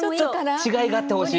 違いがあってほしい。